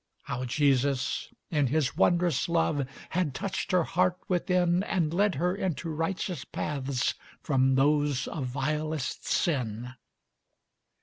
How Jesus, in His wondrous love, Had touched her heart within, And led her into righteous paths From those of vilest sin.